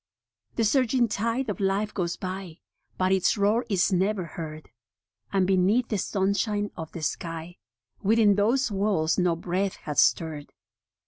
The surging tide of life goes by, But its roar is never heard ; And beneath the sunshine of the sky Within those walls no breath hath stirred.